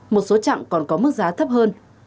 một số chặng còn có mức giá thấp hơn